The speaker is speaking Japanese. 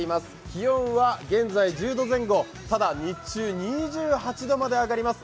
気温は現在１０度前後、ただ日中、２８度まで上がります。